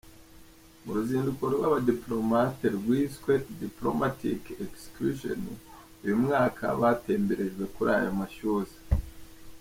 Mu ruzinduko rw’abadipolomate rwiswe “Diplomatic Excursion” uyu mwaka, batemberejwe kuri aya mashyuza.